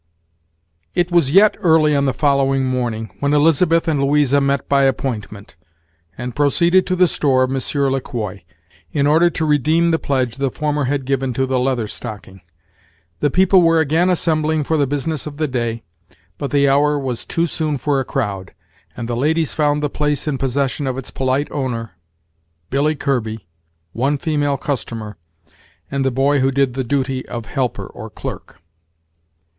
It was yet early on the following morning, when Elizabeth and Louisa met by appointment, and proceeded to the store of Monsieur Le Quoi, in order to redeem the pledge the former had given to the Leather Stocking. The people were again assembling for the business of the day, but the hour was too soon for a crowd, and the ladies found the place in possession of its polite owner, Billy Kirby, one female customer, and the boy who did the duty of helper or clerk.